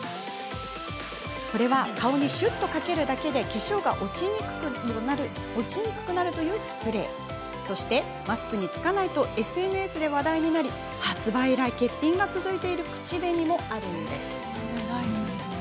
これは顔にシュッとかけるだけで化粧が落ちにくくなるというスプレーマスクにつかないとＳＮＳで話題になり、発売以来欠品が続いている口紅もあるんです。